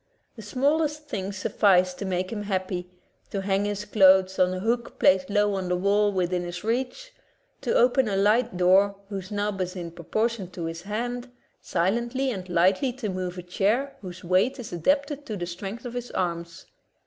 The smallest thing suffices to make him happy — to hang his clothes on a hook placed low on the wall within his reach, to open a light door whose knob is in propor tion to his hand, silently and lightly to move a chair whose weight is adapted to the strength of his arms.